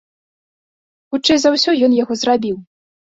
Хутчэй за ўсё, ён яго зрабіў.